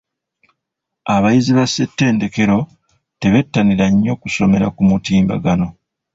Abayizi ba ssettendekero tebettanira nnyo kusomera ku mutimbagano.